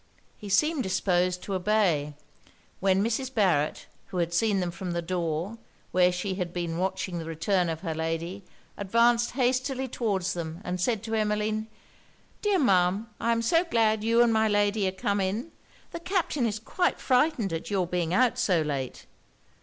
He seemed disposed to obey; when Mrs. Barret, who had seen them from the door, where she had been watching the return of her lady, advanced hastily towards them, and said to Emmeline 'Dear Ma'am, I am so glad you and my lady are come in! The Captain is quite frightened at your being out so late.'